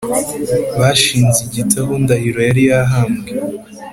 bashinze igiti aho ndahiro yari yahambwe